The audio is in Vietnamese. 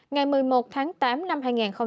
ngày một mươi một tháng tám năm hai nghìn hai mươi